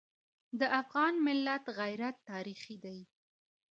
د افغان ملت غیرت تاریخي دی.